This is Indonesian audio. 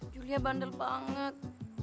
julia bandel banget